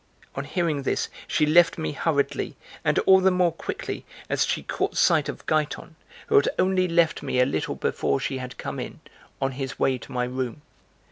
On hearing this, she left me hurriedly, and all the more quickly, as she caught sight of Giton, who had only left me a little before she had come in, on his way to my room.